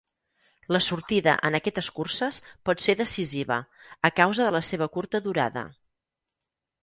La sortida en aquestes curses pot ser decisiva, a causa de la seva curta durada.